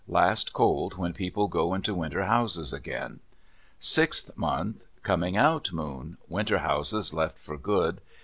Last cold when people go into winter houses again. Sixth month.—"Coming out" moon. Winter houses left for good.